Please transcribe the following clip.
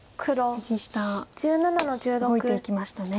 右下動いていきましたね。